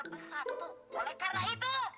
bersatu oleh karena itu